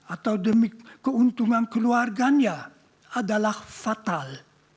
atau demi keuntungan keluarganya adalah fatal